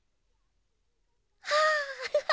あアハハ！